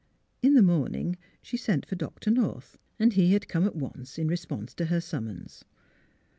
In the morning she sent for Doctor North, and he had come at once in response to her summons.